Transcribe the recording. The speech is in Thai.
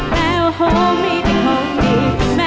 แมวโฮมีแต่ของดี